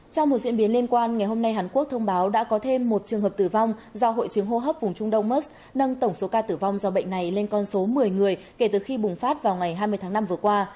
trong một diễn biến liên quan ngày hôm nay hàn quốc thông báo đã có thêm một trường hợp tử vong do hội chứng hô hấp vùng trung đông mers nâng tổng số ca tử vong do bệnh này lên con số một mươi người kể từ khi bùng phát vào ngày hai mươi tháng năm vừa qua